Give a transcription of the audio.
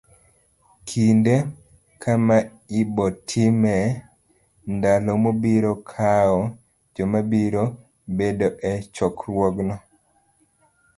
Kinde, kama ibo timee, ndalo mobiro kawo, joma biro bedo e chokruogno.